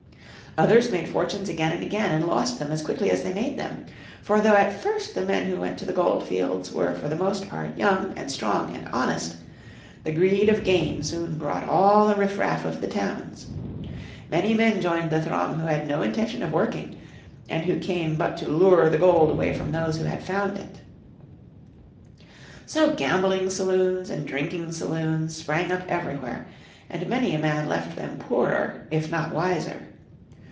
Others made fortunes again and again, and lost them as quickly as they made them. For though at first the men who went to the gold fields were for the most part young, and strong, and honest, the greed of gain soon brought all the riff raff of the towns. Many men joined the throng who had no intention of working, and who but came to lure the gold away from those who had found it. So gambling saloons, and drinking saloons, sprang up everywhere, and many a man left them poorer if not wiser.